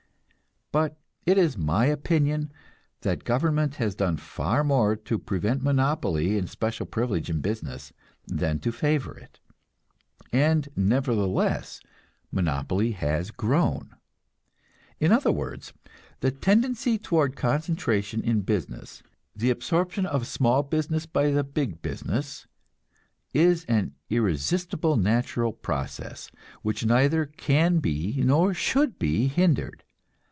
But it is my opinion that government has done far more to prevent monopoly and special privilege in business than to favor it; and nevertheless, monopoly has grown. In other words, the tendency toward concentration in business, the absorption of the small business by the big business, is an irresistible natural process, which neither can be nor should be hindered.